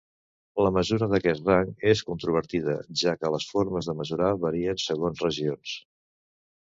La mesura d'aquest rang és controvertida, ja que les formes de mesurar varien segons regions.